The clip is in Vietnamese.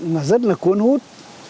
mà rất là cuốn hút